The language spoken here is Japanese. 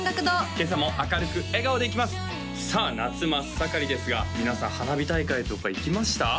今朝も明るく笑顔でいきますさあ夏真っ盛りですが皆さん花火大会とか行きました？